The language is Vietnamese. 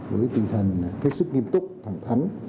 với tinh thần kết sức nghiêm túc thẳng thắn